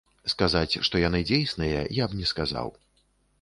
Сказаць, што яны дзейсныя, я б не сказаў.